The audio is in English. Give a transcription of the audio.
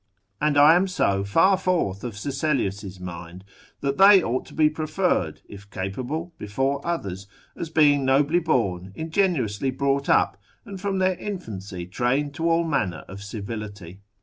And I am so far forth of Sesellius's mind, that they ought to be preferred (if capable) before others, as being nobly born, ingenuously brought up, and from their infancy trained to all manner of civility.